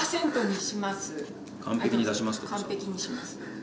完璧に出します。